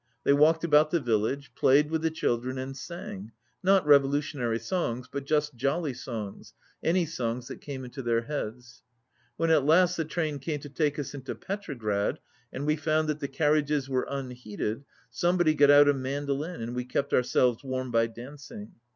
They walked about the vil lage, played with the children, and sang, not revo lutionary songs, but just jolly songs, any songs that came into their heads. When at last the train came to take us into Petrograd, and we found that the carriages were unheated, somebody got Out a mandoline and we kept ourselves warm by dancing.